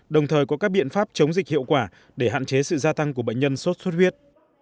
đồng thời có các biện pháp chống dịch hiệu quả để hạn chế sự gia tăng của bệnh nhân sốt xuất huyết